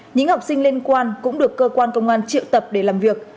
những học sinh liên quan cũng được cơ quan công an triệu tập để làm việc